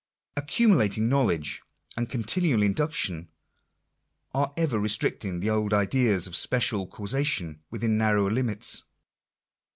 Accumulating knowledge and continual induction are ever restricting the old ideas of special causation within narrower limits.